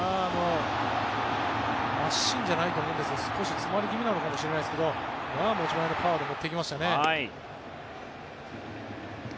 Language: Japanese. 真芯じゃないと思うんですが詰まり気味じゃないかと思うんですが持ち前のパワーで持っていきましたね。